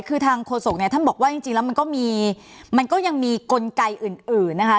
คือทางโฆษกเนี่ยท่านบอกว่าจริงแล้วมันก็มีมันก็ยังมีกลไกอื่นนะคะ